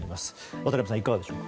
渡辺さん、いかがでしょうか。